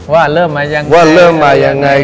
ว่าเริ่มมายังไง